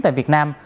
tại việt nam